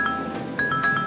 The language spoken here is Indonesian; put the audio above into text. dimana saudara lemah iman